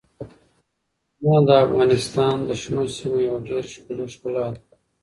قومونه د افغانستان د شنو سیمو یوه ډېره ښکلې ښکلا ده.